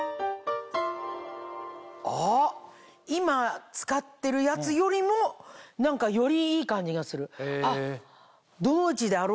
今使ってるやつよりもよりいい感じがする。